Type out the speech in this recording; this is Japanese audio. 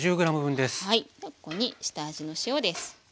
ここに下味の塩です。